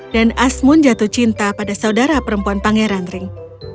dan asmun jatuh cinta pada saudara perempuan pangeran ring